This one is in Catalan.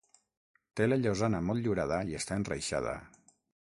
Té la llosana motllurada i està enreixada.